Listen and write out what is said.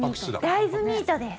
大豆ミートです。